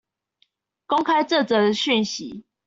公開這則訊息